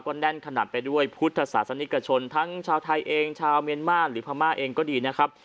แน่นขนาดไปด้วยพุทธศาสนิกชนทั้งชาวไทยเองชาวเมียนมาร์หรือพม่าเองก็ดีนะครับ